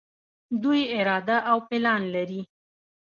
دوی اراده او پلان لري.